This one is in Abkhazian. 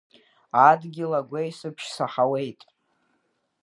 Адгьыл агәеисыбжь саҳауеит…